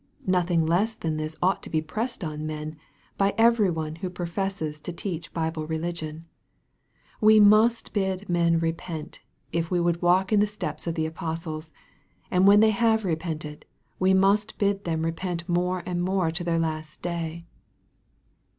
Nothing less than this ought to be pressed on men, by every one who professes to teach Bible religion. We 116 EXPOSITORY THOUGHTS. must bid men repent, if we would walk in the steps of the apostles, and when they have repented, we must bid them repent more and more to their last day.